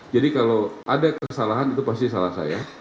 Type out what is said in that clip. jadi kalau ada kesalahan itu pasti salah saya